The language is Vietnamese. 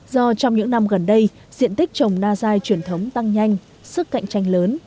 do trong những năm gần đây diện tích trồng na dai truyền thống tăng nhanh sức cạnh tranh lớn